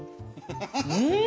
うん！